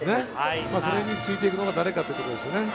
それについて行くのが誰かということですね。